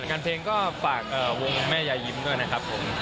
งานเพลงก็ฝากวงแม่ยายยิ้มด้วยนะครับผม